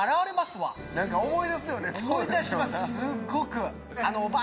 すっごく。